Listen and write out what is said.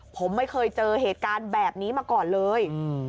ผมไม่เคยเจอเหตุการณ์แบบนี้มาก่อนเลย